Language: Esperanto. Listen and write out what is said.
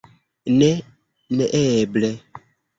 Ne, neeble.